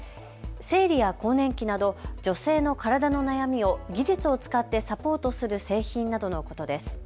生理や更年期など女性の体の悩みを技術を使ってサポートする製品などのことです。